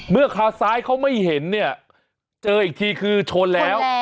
ขาซ้ายเขาไม่เห็นเนี่ยเจออีกทีคือชนแล้ว